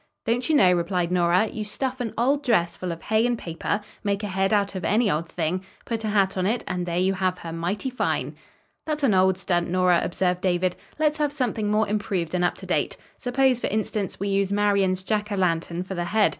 "Don't you know?" replied Nora. "You stuff an old dress full of hay and paper, make a head out of any old thing, put a hat on it, and there you have her mighty fine." "That's an old stunt, Nora," observed David. "Let's have something more improved and up to date. Suppose, for instance, we use Marian's Jack o' lantern for the head.